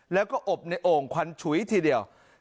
แล้วก็อบในโอ่งควันฉุยทีเดียว